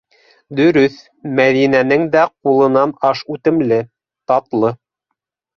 Дөрөҫ, Мәҙинәнең дә ҡулынан аш үтемле, татлы.